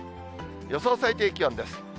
予想最低気温です。